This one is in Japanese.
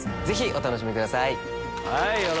ぜひお楽しみください。